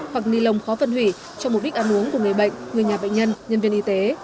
hoặc ni lồng khó phân hủy cho mục đích ăn uống của người bệnh người nhà bệnh nhân nhân viên y tế